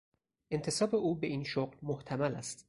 انتصاب او به این شغل محتمل است.